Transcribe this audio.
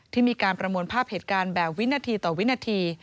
ที่มีการประมวลภาพเหตุการณ์แบบวินาทีต่อวินาที